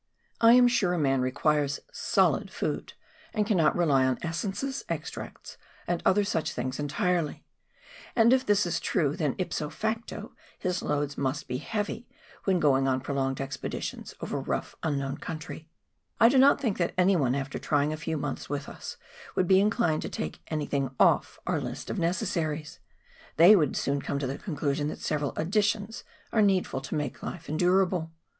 I am sure a man requires .so//(/ food, and cannot rely on essences, extracts, and other such things entirely ; and if this is true, then ipao facto, his loads must be heavy when going on prolonged expeditions over rough unknown country. I do not think that anyone after trying a few months with us would be inclined to take anything off our list of necessaries ; they would soon come to a conclusion that several additions are needful to make the life endurable.